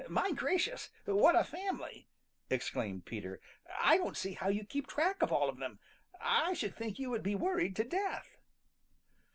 "My gracious, what a family!" exclaimed Peter. "I don't see how you keep track of all of them. I should think you would be worried to death."